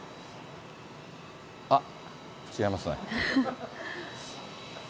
あっ、違いますね。